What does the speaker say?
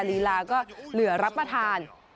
ลีลาก็เหลือรับประทาน